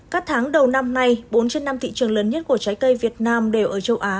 các tháng đầu năm nay bốn trên năm thị trường lớn nhất của trái cây việt nam đều ở châu á